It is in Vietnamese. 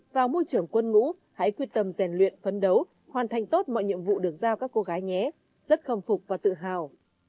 vào môi trường quân ngũ hãy quyết tâm rèn luyện phấn đấu hoàn thành tốt mọi nhiệm vụ được giao các cô gái nhé rất khâm phục và tự hào